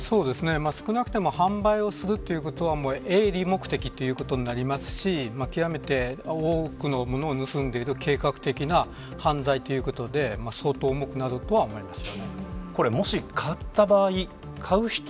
少なくとも販売をするということは営利目的ということになりますし極めて多くのものを盗んでいる計画的な犯罪ということで相当、重くなるとは思います。